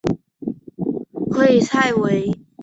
弗莱维。